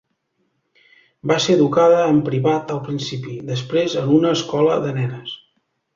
Va ser educada en privat al principi, després en una escola de nenes.